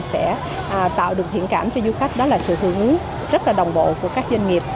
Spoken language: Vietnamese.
sẽ tạo được thiện cảm cho du khách đó là sự hưởng ứng rất đồng bộ của các doanh nghiệp